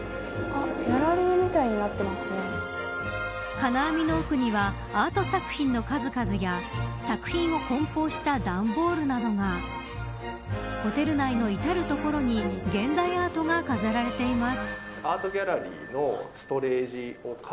金網の奥にはアート作品の数々や作品を梱包した段ボールなどがホテル内の至る所に現代アートが飾られています。